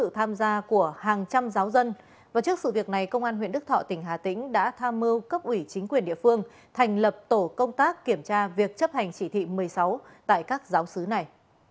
trước giáo dân và trước sự việc này công an huyện đức thọ tỉnh hà tĩnh đã tham mưu cấp ủy chính quyền địa phương thành lập tổ công tác kiểm tra việc chấp hành chỉ thị một mươi sáu tại các giáo sứ này